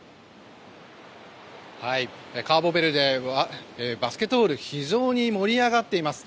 カーボベルデはバスケットボールが非常に盛り上がっています。